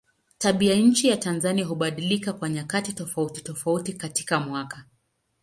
Tabianchi ya Tanzania hubadilika kwa nyakati tofautitofauti katika mwaka.